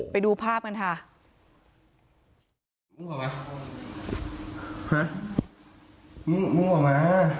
ไปดูภาพกันค่ะ